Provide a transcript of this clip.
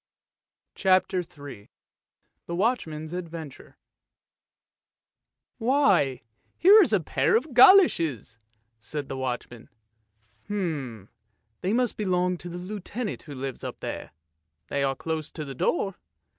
CHAPTER III THE WATCHMAN'S ADVENTURE "Why, here is a pair of goloshes!" said the watchman. " They must belong to the Lieutenant who lives up there, they are close to the door."